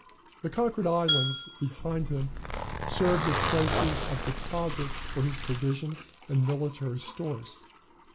The conquered islands behind him served as places of deposit for his provisions and military stores.